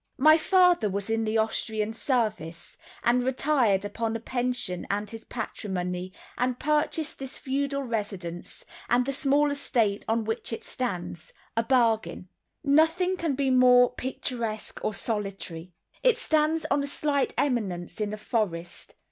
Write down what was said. My father was in the Austrian service, and retired upon a pension and his patrimony, and purchased this feudal residence, and the small estate on which it stands, a bargain. Nothing can be more picturesque or solitary. It stands on a slight eminence in a forest.